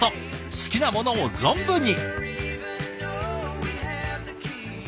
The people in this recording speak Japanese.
好きなものを存分に。